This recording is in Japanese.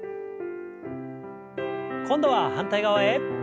今度は反対側へ。